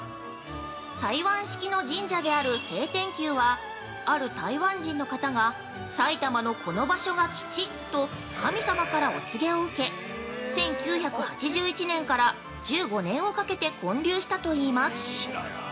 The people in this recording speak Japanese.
◆台湾式の神社である「聖天宮」はある台湾人の方が「埼玉のこの場所が吉」と神様からお告げを受け、１９８１年から１５年をかけて建立したと言います。